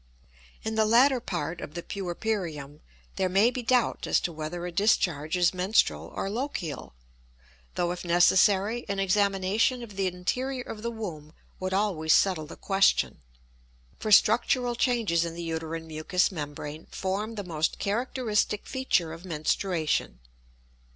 In the latter part of the puerperium there may be doubt as to whether a discharge is menstrual or lochial; though, if necessary, an examination of the interior of the womb would always settle the question, for structural changes in the uterine mucous membrane form the most characteristic feature of menstruation.